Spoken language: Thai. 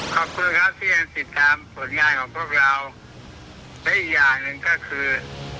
ขอบคึ้งครับเธอนสิทธิ์ทำผลงานของพวกเราหรืออีกอย่างหนึ่งก็คือ